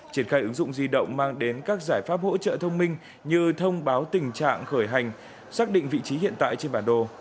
triển khai ứng dụng di động mang đến các giải pháp hỗ trợ thông minh như thông báo tình trạng khởi hành xác định vị trí hiện tại trên bản đồ